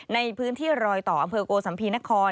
ในพื้นที่รอยต่ออำเภอโกสัมภีนคร